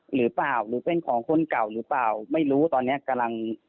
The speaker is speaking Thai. หรือเปล่าหรือเป็นของคนเก่าหรือเปล่าไม่รู้ตอนนี้กำลัง